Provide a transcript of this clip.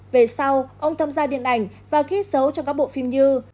về sau ông tham gia điện ảnh và khí sấu cho các bộ phim như